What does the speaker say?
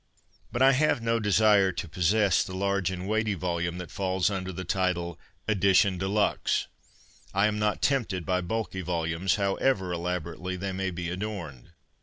But I have no desire to possess the large and weighty volume that falls under the title Edition dc BOOKS THAT TEMPT 43 Luxe. I am not tempted by bulky volumes, how ever elaborately they may be adorned.